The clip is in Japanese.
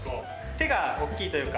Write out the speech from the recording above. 手が大きいというか。